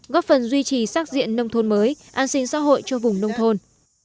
góp phần duy trì xác diện nông thôn mới an sinh xã hội cho vùng nông thôn